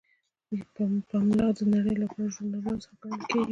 پملا د نړۍ له غوره ژورنالونو څخه ګڼل کیږي.